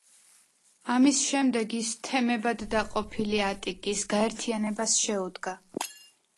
ამის შემდეგ ის თემებად დაყოფილი ატიკის გაერთიანებას შეუდგა.